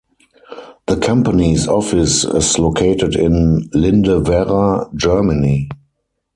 The company's office is located in Lindewerra, Germany.